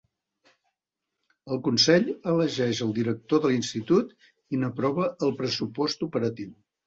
El Consell elegeix el director de l'Institut i n'aprova el pressupost operatiu.